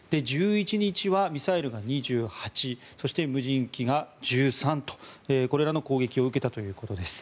１１日はミサイルが２８そして無人機が１３とこれらの攻撃を受けたということです。